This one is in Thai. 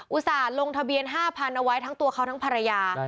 อุตส่าห์ลงทะเบียน๕๐๐เอาไว้ทั้งตัวเขาทั้งภรรยา